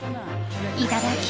いただき！